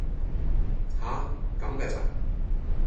吓！咁嫁咋!